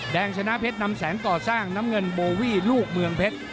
ชนะเพชรนำแสงก่อสร้างน้ำเงินโบวี่ลูกเมืองเพชร